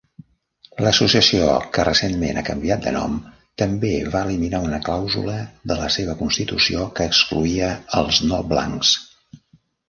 L'associació, que recentment ha canviat de nom, també va eliminar una clàusula de la seva constitució que excloïa els no blancs.